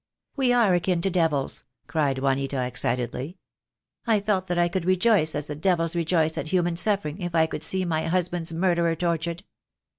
"We are akin to devils," cried Juanita, excitedly. "I felt that I could rejoice as the devils rejoice at human suffering if I could see my husband's murderer tortured.